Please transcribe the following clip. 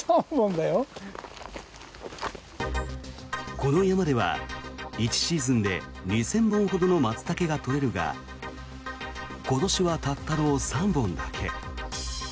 この山では１シーズンで２０００本ほどのマツタケが採れるが今年はたったの３本だけ。